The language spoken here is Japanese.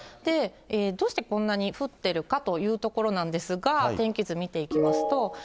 どうしてこんなに降ってるかというところなんですが、天気図見ていきますと。